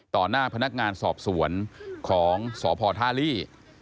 หน้าพนักงานสอบสวนของสพท่าลี่